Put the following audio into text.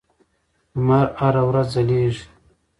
لمر هره ورځ ځلېږي.